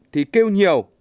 thì kêu nhiều